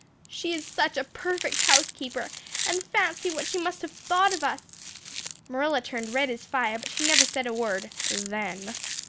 She is such a perfect housekeeper and fancy what she must have thought of us. Marilla turned red as fire but she never said a word then.